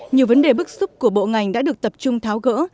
nhiều vấn đề bức xúc của bộ ngành đã được tập trung tháo gỡ